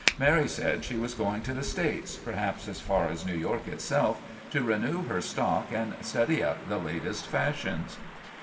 Mary said she was going to the States, perhaps as far as New York itself, to renew her stock and study up the latest fashions.